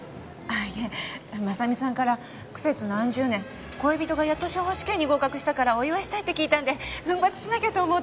あいえ真実さんから苦節何十年恋人がやっと司法試験に合格したからお祝いしたいって聞いたんで奮発しなきゃと思って。